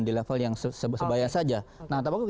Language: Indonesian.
di level yang sebaya saja nah tapi